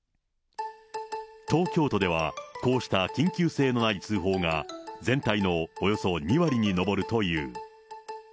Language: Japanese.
東京都では、こうした緊急性のない通報が、全体のおよそ２割に上るという。